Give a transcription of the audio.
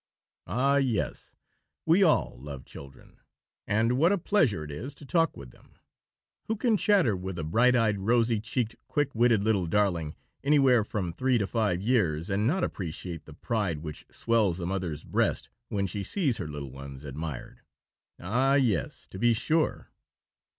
Ah, yes, we all love children. And what a pleasure it is to talk with them! Who can chatter with a bright eyed, rosy cheeked, quick witted little darling, anywhere from three to five years, and not appreciate the pride which swells a mother's breast when she sees her little ones admired? Ah, yes, to be sure.